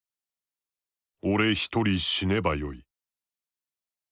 俺一人死ねばよい」。